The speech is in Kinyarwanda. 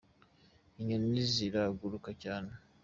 Inyoni ziraguruka cyane.